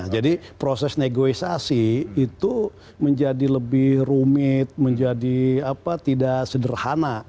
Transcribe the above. jadi proses negosiasi itu menjadi lebih rumit menjadi tidak sederhana